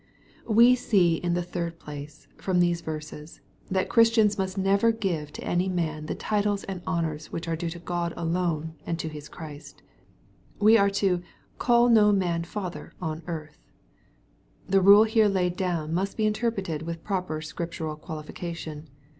We see in the third place, from these verses, that Christians must never give to any man the titles and honors which are due to Ood alone and to His Christ. We are to " call no man Father on earth." The rule here laid down must be interpreted with proper Scriptural qualification.